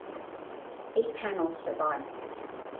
Eight panels survive.